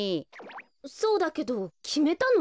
そうだけどきめたの？